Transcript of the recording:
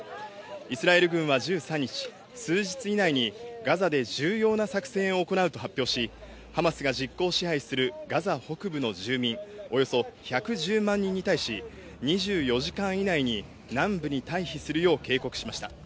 イスラエル軍は１３日、数日以内にガザで重要な作戦を行うと発表し、ハマスが実効支配するガザ北部の住民およそ１１０万人に対し、２４時間以内に南部に退避するよう警告しました。